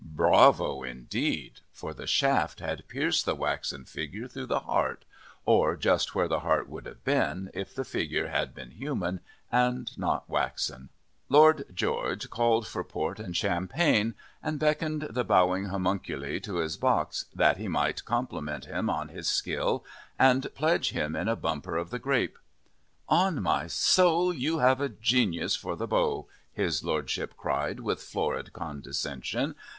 Bravo indeed! For the shaft had pierced the waxen figure through the heart, or just where the heart would have been if the figure had been human and not waxen. Lord George called for port and champagne and beckoned the bowing homuncule to his box, that he might compliment him on his skill and pledge him in a bumper of the grape. "On my soul, you have a genius for the bow," his Lordship cried with florid condescension.